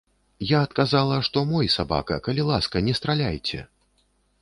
Я адказала, што мой сабака, калі ласка, не страляйце.